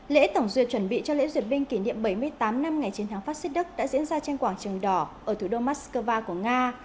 lễ tổng duyệt chuẩn bị cho lễ duyệt binh kỷ niệm bảy mươi tám năm ngày chiến thắng facist đức đã diễn ra trên quảng trường đỏ ở thủ đô moscow của nga